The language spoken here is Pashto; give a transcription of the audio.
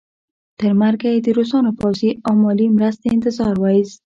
تر مرګه یې د روسانو پوځي او مالي مرستې انتظار وایست.